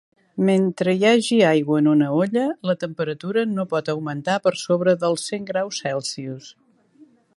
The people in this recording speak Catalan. Mentre hi hagi aigua en una olla, la temperatura no pot augmentar per sobre dels cent graus Celsius.